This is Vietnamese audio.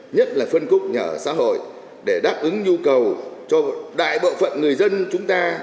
nhất là phân khúc nhà ở xã hội để đáp ứng nhu cầu cho đại bộ phận người dân chúng ta